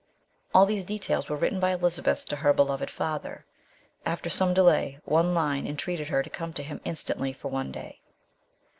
All these details were written by Elizabeth to her beloved father. After some delay, one line entreated her to come to him instantly for one day.